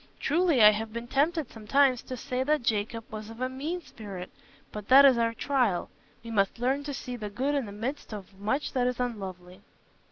Truly, I have been tempted sometimes to say that Jacob was of a mean spirit. But that is our trial: we must learn to see the good in the midst of much that is unlovely."